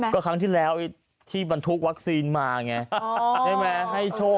ต้องดูเวลาจิดวาคซีนด้วยไหม